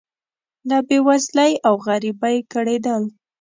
له بې وزلۍ او غریبۍ کړېدل.